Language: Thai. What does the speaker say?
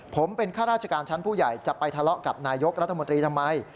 ผมเป็นข้าราชการชั้นผู้ใหญ่จะไปทะเลาะกับนายกรัฐมนตรีทำไม